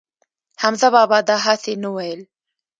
حمزه بابا دا هسې نه وييل